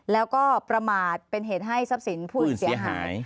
แล้วก็ประมาทเป็นเหตุให้ทรัพย์สินผู้อื่นเสียหาย